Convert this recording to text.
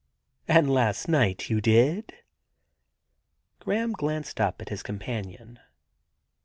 * And last night you did ?' Graham glanced up at his companion.